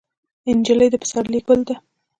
نجلۍ د پسرلي ګل ده.